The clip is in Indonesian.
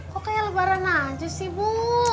kok kayak lebaran aja sih bu